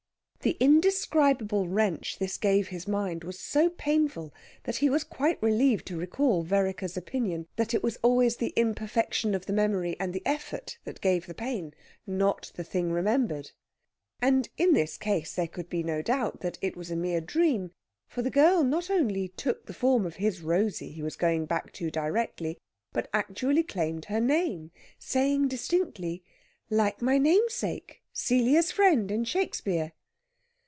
The indescribable wrench this gave his mind was so painful that he was quite relieved to recall Vereker's opinion that it was always the imperfection of the memory and the effort that gave pain, not the thing remembered. And in this case there could be no doubt that it was a mere dream, for the girl not only took the form of his Rosey he was going back to directly, but actually claimed her name, saying distinctly, "like my namesake, Celia's friend, in Shakespeare."